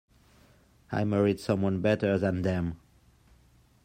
I married someone better than them.